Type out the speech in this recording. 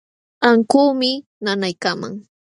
Ankuumi nanaykaman.